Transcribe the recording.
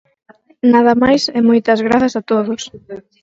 Nada máis e moitas grazas a todos.